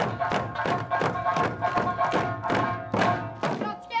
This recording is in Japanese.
気をつけ！